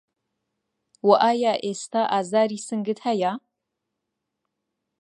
و ئایا ئێستا ئازاری سنگت هەیە؟